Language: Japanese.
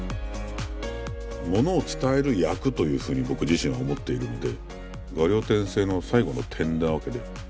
ものを伝える役というふうに僕自身は思っているので「画竜点睛」の最後の点なわけで。